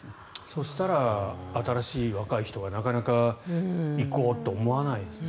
そしたら、新しい若い人はなかなか行こうと思わないですね。